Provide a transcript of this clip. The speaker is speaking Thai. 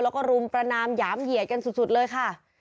แล้วก็รุมประนามหยามเหยียดกันสุดเลยค่ะ